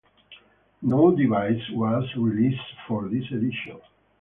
No devices was released for this edition.